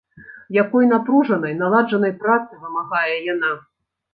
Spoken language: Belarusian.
Якой напружанай, наладжанай працы вымагае яна!